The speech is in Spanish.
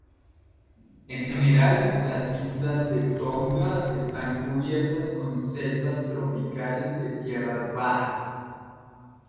En general, las islas de Tonga están cubiertas con selvas tropicales de tierras bajas.